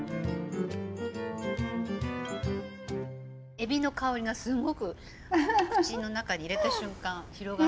エビの香りがすっごく口の中に入れた瞬間広がっておいしいです。